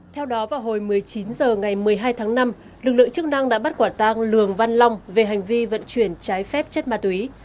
theo đó vào hồi một mươi chín h ngày một mươi hai tháng năm lực lượng chức năng đã bắt quả tang lường văn long về hành vi vận chuyển trái phép chất ma túy